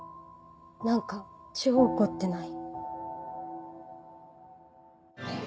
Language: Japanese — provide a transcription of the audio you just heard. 何か超怒ってない？